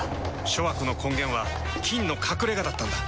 諸悪の根源は「菌の隠れ家」だったんだ。